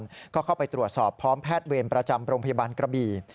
แล้วก็เข้าไปตรวจสอบพร้อมแพทย์เวรประจำโรงพยาบาลกระบี่